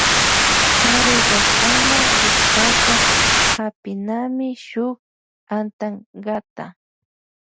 Karullaktama rishpaka hapinami shuk antankata.